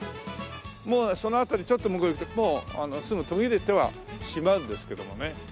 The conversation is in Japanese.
もうその辺りちょっと向こう行くとすぐ途切れてはしまうんですけどもね。